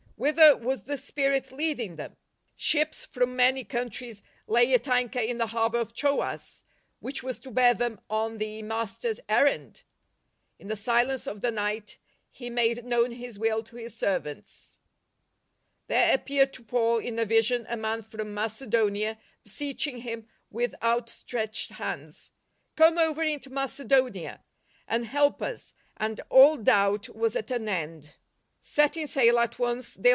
■Whither was the spirit leading them ? Ships from many countries lay at anchor in the harbour of Troas — ^which was to bear them on the Master's errand ? In the silence of the night He made known His will to His servants. SECOND JOURNEY 6i Tliere appeared to Paul in a vision a man from Macedonia beseeching him with out stretched hands, " Come over into Macedonia : and help us !" and all doubt was at an end. '! Setting sail at once thej?